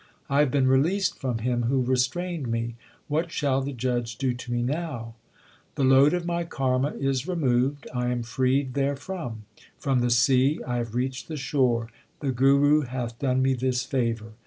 I have been released from him who restrained me ; what shall the judge do to me now ? The load of my karma is removed ; I am freed therefrom. From the sea I have reached the shore ; the Guru hath done me this favour.